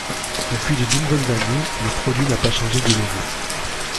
Depuis de nombreuses années, le produit n'a pas changé de logo.